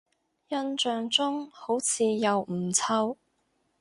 印象中好似又唔臭